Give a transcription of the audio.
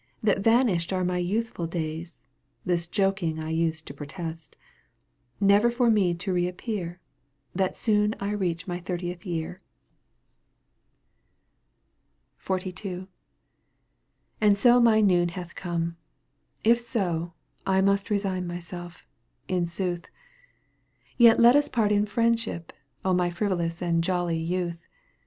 That vanished are my youthful days (This joking I used to protest), Never for me to reappear — That soon I reach my thirtieth year ? Digitized byCjOOQ lC 182 EUGENE ON^GUINE. canto vi. XLII. And so my noon hath come ! If so, I must resign myseK, in sooth ; Yet let ns part in friendship, My frivolous and jolly youth.